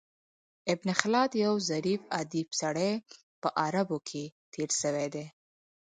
ابن خلاد یو ظریف ادیب سړی په عربو کښي تېر سوى دﺉ.